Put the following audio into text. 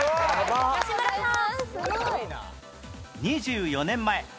吉村さん。